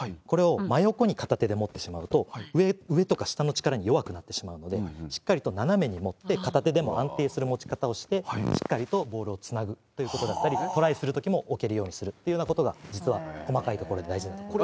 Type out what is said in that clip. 真横に片手で持ってしまうと、上とか下の力に弱くなってしまうので、しっかりと斜めに持って、片手でも安定する持ち方をして、しっかりとボールをつなぐということが、トライするときも置けるようにするということが、実は細かいところで大事だったりします。